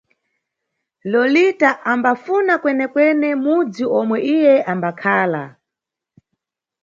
Lolita ambafuna kwenekwene mudzi omwe iye ambakhala.